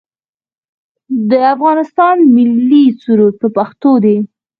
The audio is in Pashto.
د افغانستان ملي سرود په پښتو دی